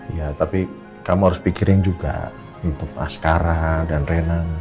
ya tapi kamu harus pikirin juga untuk askara dan renang